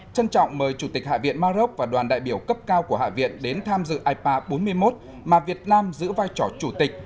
trân trọng mời chủ tịch hạ viện maroc và đoàn đại biểu cấp cao của hạ viện đến tham dự ipa bốn mươi một mà việt nam giữ vai trò chủ tịch